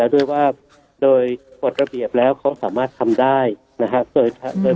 ด้วยว่าโดยกฎระเบียบแล้วเขาสามารถทำได้นะครับ